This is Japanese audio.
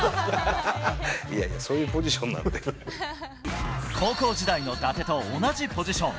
いやいや、そういうポジションな高校時代の伊達と同じポジション。